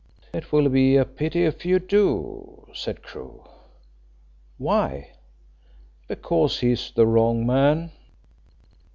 "It will be a pity if you do," said Crewe. "Why?" "Because he's the wrong man."